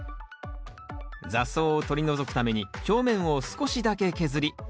雑草を取り除くために表面を少しだけ削り区画を作ります。